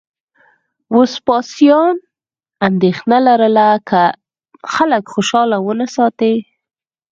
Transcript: وسپاسیان اندېښنه لرله که خلک خوشاله ونه ساتي